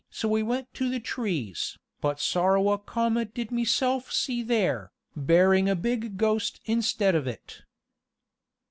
and so we went to the trees, but sorrow a comet did meself see there, barring a big ghost instead of it."